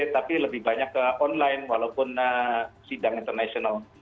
tapi lebih banyak ke online walaupun sidang internasional